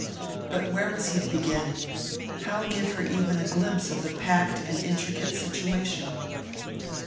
But where was he to begin? How give her even a glimpse of the packed and intricate situation?